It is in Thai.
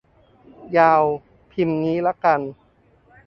ยาว พิมพ์งี้ละกัน